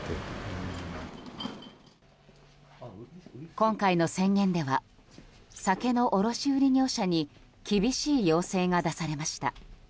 今回の宣言では酒の卸売業者に厳しい要請が出されました。